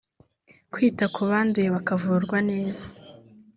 Kwita ku banduye bakavurwa neza